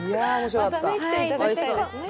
また来ていただきたいですよね。